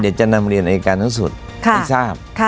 เดี๋ยวจะนำเรียนอายการสูงสุดให้ทราบ